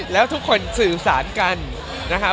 แล้วทุกคนสื่อสารกันนะครับ